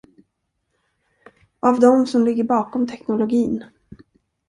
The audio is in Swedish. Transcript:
Av dem som ligger bakom teknologin.